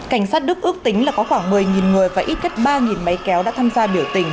cảnh sát đức ước tính là có khoảng một mươi người và ít nhất ba máy kéo đã tham gia biểu tình